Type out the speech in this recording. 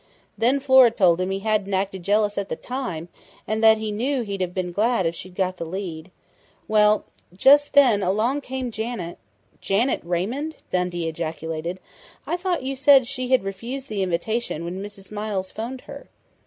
Then Flora told him he hadn't acted jealous at the time, and that he knew he'd have been glad if she'd got the lead.... Well, just then along came Janet " "Janet Raymond?" Dundee ejaculated. "I thought you said she had refused the invitation when Mrs. Miles phoned her."